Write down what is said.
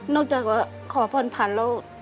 นอกจาก่อนขอพรพันธุ์แล้ว